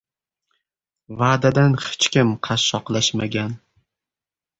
• Va’dadan hech kim qashshoqlashmagan.